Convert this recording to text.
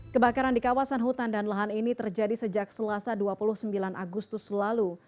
kebakaran di kawasan hutan dan lahan ini terjadi sejak selasa dua puluh sembilan agustus lalu